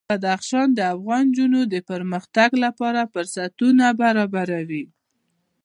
بدخشان د افغان نجونو د پرمختګ لپاره فرصتونه برابروي.